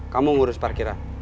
kamu ngurus parkiran